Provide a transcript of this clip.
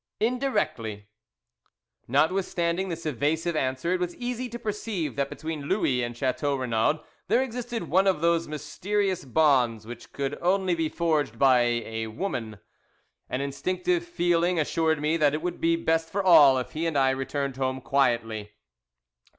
"Indirectly." Notwithstanding this evasive answer, it was easy to perceive that between Louis and Chateau Renaud there existed one of those mysterious bonds which could only be forged by a woman. An instinctive feeling assured me that it would be best for all if he and I returned home quietly.